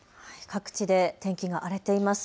各地で天気が荒れています。